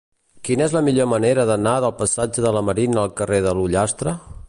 Quina és la millor manera d'anar del passatge de la Marina al carrer de l'Ullastre?